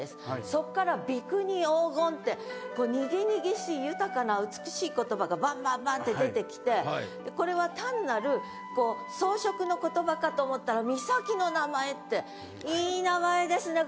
そっから「美国黄金」ってこうにぎにぎしい豊かな美しい言葉がバンバンバンって出てきてこれは単なるこう装飾の言葉かと思ったらいい名前ですね